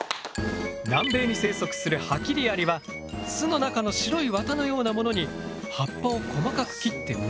南米に生息するハキリアリは巣の中の白い綿のようなものに葉っぱを細かく切って植えていく。